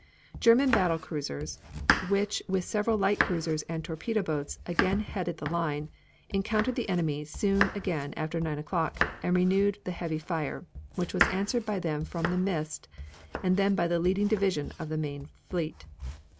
German battle cruisers, which with several light cruisers and torpedo boats again headed the line, encountered the enemy soon after 9 o'clock and renewed the heavy fire, which was answered by them from the mist, and then by the leading division of the main fleet.